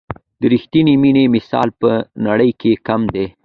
د رښتیني مینې مثال په نړۍ کې کم دی.